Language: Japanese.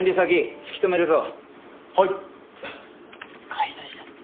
買い出しだって。